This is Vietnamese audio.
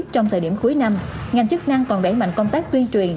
trong thời điểm cuối năm ngành chức năng còn đẩy mạnh công tác tuyên truyền